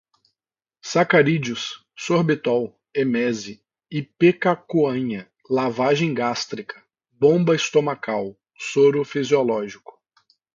sacarídeos, sorbitol, emese, ipecacuanha, lavagem gástrica, bomba estomacal, soro fisiológico